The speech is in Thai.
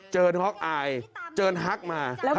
เชิญฮ็อกไอเชิญฮักมา